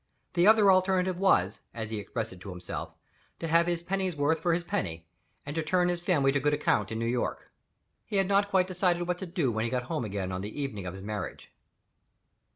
The other alternative was (as he expressed it himself) to "have his pennyworth for his penny, and to turn his family to good account in New York." He had not quite decided what to do when he got home again on the evening of his marriage.